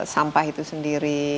sampah itu sendiri